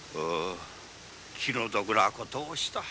気の毒な事をした。